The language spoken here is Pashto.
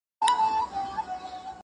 ساینسي څېړنه ډېری وخت په ګډه ترسره کېږي.